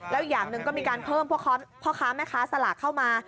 แล้วอย่างหนึ่งก็มีการเพิ่มพวกพ่อค้าแม่ค้าสลากเข้ามา